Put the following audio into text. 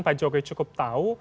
pak jokowi cukup tahu